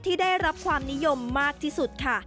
ที่ได้รับความนิยมมากที่สุดค่ะ